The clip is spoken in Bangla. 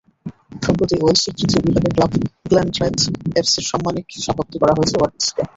সম্প্রতি ওয়েলসের তৃতীয় বিভাগের ক্লাব গ্ল্যানট্রায়েথ এফসির সাম্মানিক সভাপতি করা হয়েছে ওয়াটসকে।